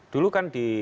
dulu kan di